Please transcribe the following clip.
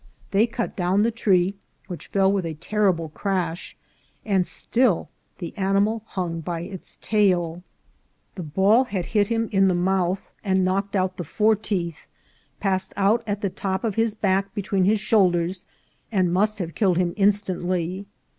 They cut down the tree, which fell with a terrible crash, and still the animal hung by its tail. The ball had hit him 368 INCIDENTS OF TRAVEL. in the mouth and knocked out the fore teeth, passed out at the top of his back between his shoulders, and must have killed him instantly.